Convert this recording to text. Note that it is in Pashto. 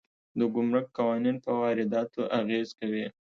د ګمرک قوانین په وارداتو اغېز کوي.